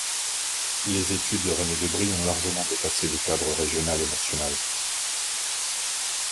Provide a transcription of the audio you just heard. Les études de René Debrie ont largement dépassé le cadre régional et national.